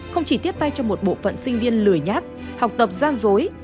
không chỉ tiết tay cho một bộ phận sinh viên lười nhát học tập gian dối